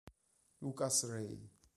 Lucas Rey